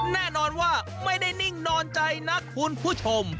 แน่นอนว่าไม่ได้นิ่งนอนใจนะคุณผู้ชม